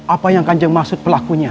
apa yang kan jeng maksud pelakunya